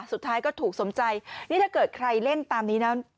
สุดท้ายก็ถูกสมใจนี่ถ้าเกิดใครเล่นตามนี้แล้ว